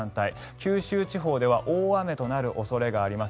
九州地方では大雨になる恐れがあります。